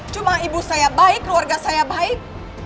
cuma ibu saya baik keluarga saya baik